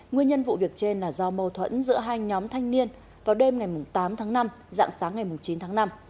nguyên nhân vụ việc trên là do mâu thuẫn giữa hai nhóm thanh niên vào đêm ngày tám tháng năm dạng sáng ngày chín tháng năm